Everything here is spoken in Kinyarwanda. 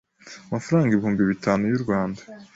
amafaranga ibihumbi bitanu y u Rwanda